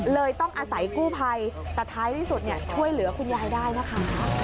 เลยต้องอาศัยกู้ภัยแต่ท้ายที่สุดช่วยเหลือคุณยายได้นะคะ